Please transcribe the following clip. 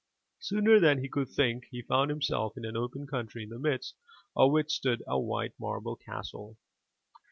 Sooner than he could think, he found himself in an open country in the midst of which stood a white marble castle.